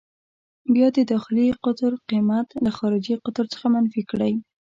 بیا د داخلي قطر قېمت له خارجي قطر څخه منفي کړئ.